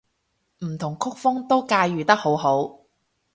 唔同曲風都駕馭得好好